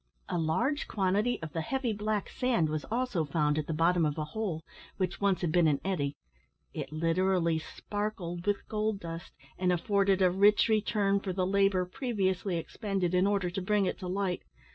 A large quantity of the heavy black sand was also found at the bottom of a hole, which once had been an eddy it literally sparkled with gold dust, and afforded a rich return for the labour previously expended in order to bring it to light.